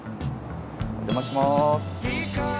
お邪魔します。